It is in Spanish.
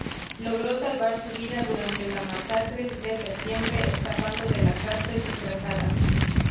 Logró salvar su vida durante las masacres de septiembre escapando de la cárcel disfrazada.